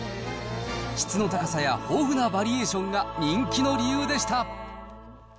質の高さや豊富なバリエーションが人気の理由でした。